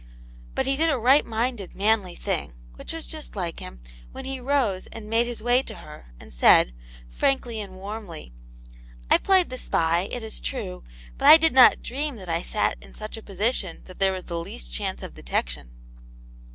But he did a right minded, manly thing, which was just like him, when he rose and made his way to her and said, frankly and warmly :" I played the spy, it is true, but I did not dream that I sat in such a position that there was the least chance of detection."